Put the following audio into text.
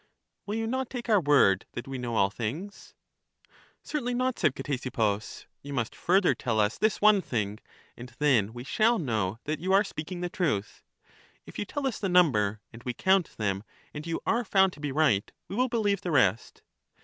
Will you not take our word that we know all things? Certainly not, said Ctesippus ; you must further tell us this one thing, and then we shall know that you are speaking the truth ; if you tell us the number, and we count them, and you are foimd to be right, we will EUTHYDEMUS 255 believe the rest.